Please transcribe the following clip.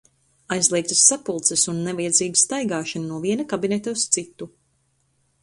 Aizliegtas sapulces un nevajadzīga staigāšana no viena kabineta uz citu.